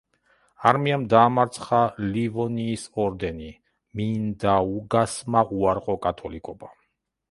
არმიამ დაამარცა ლივონიის ორდენი, მინდაუგასმა უარყო კათოლიკობა.